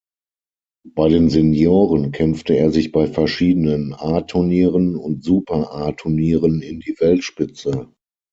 Bei den Senioren kämpfte er sich bei verschiedenen A-Turnieren und Super-A-Turnieren in die Weltspitze.